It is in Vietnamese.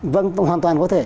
vâng hoàn toàn có thể